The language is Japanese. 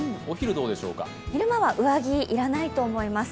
昼間は上着要らないと思います。